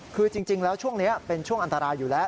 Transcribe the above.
คือจริงแล้วช่วงนี้เป็นช่วงอันตรายอยู่แล้ว